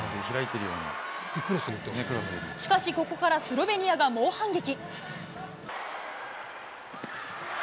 しかし、ここからスロベニアが猛反撃。